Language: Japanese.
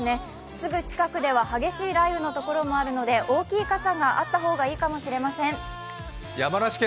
すぐ近くでは激しい雷雨のところもあるので大きい傘があった方がいいかもしまれせん。